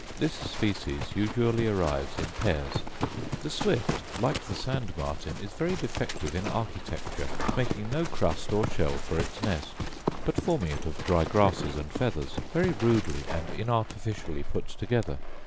This species usually arrives in pairs. The swift, like the sand martin, is very defective in architecture, making no crust, or shell, for its nest; but forming it of dry grasses and feathers, very rudely and inartificially put together.